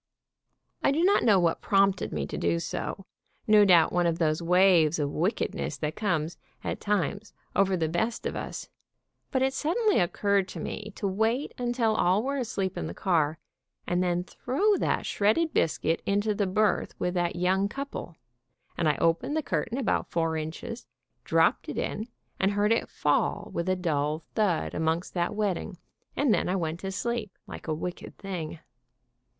I do not know what prompted me to do so, no doubt one of those waves of wickedness that comes, at times, over the best of us, but it sud denly occurred to me to wait until all were asleep in the car, and then throw that shredded biscuit into the berth with that young couple, and I opened the cur tain about four inches, dropped it in and heard it fall with a dull thud amongst that wedding, and then I went to sleep, like a wicked thing.